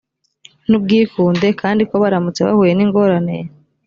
n ubwikunde kandi ko baramutse bahuye n ingorane